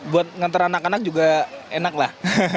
buat ngantar anak anak juga enak lah